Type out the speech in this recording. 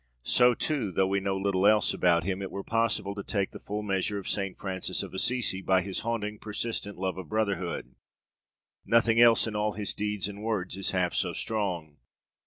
So, too, though we knew little else about him, it were possible to take the full measure of St. Francis of Assisi by his haunting persistent love of brotherhood. Nothing else in all his deeds and words is half so strong.